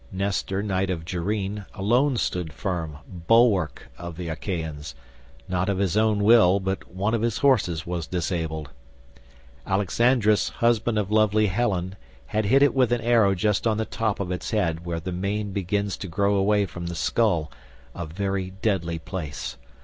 Nestor knight of Gerene alone stood firm, bulwark of the Achaeans, not of his own will, but one of his horses was disabled. Alexandrus husband of lovely Helen had hit it with an arrow just on the top of its head where the mane begins to grow away from the skull, a very deadly place.